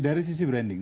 dari sisi branding